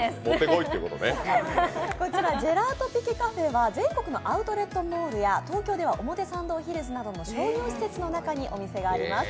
ジェラートピケカフェは全国のアウトレットモールや、東京では表参道ヒルズなどの商業施設の中にお店があります。